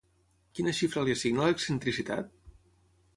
Quina xifra li assigna a l'excentricitat?